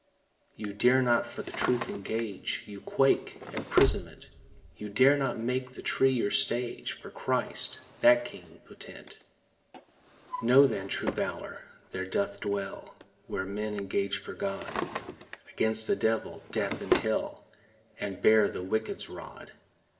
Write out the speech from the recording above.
You dare not for the truth engage, You quake at 'prisonment; You dare not make the tree your stage For Christ, that King potent. Know, then, true valour there doth dwell Where men engage for God Against the Devil, death and hell, And bear the wicked's rod.